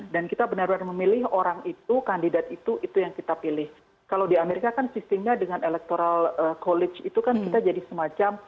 dan kita benar benar memilih orang itu kandidat itu itu yang kita pilih kalau di amerika kan sistemnya dengan electoral college itu kan kita jadi semacam